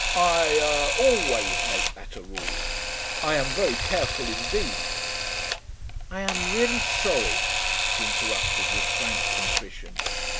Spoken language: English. I er always make that a rule. I am very careful indeed." "I am really sorry," she interrupted with frank contrition.